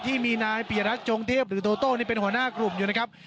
ที่มีนายปียรัฐจงเทพหรือโตโต้นี่เป็นหัวหน้ากลุ่มอยู่นะครับ